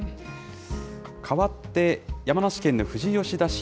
かわって、山梨県の富士吉田市。